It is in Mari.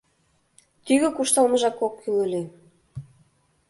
— Тӱгӧ куржталмыжак ок кӱл ыле.